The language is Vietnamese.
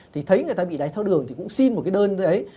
thì thấy người ta bị đài tháo đường thì cũng xin một cái đơn đấy